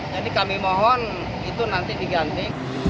jadi kami mohon itu nanti diganti